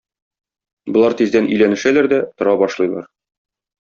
Болар тиздән өйләнешәләр дә тора башлыйлар.